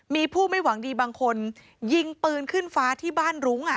มีผู้ไม่หวังดีบางคนยิงปืนขึ้นฟ้าที่บ้านรุ้ง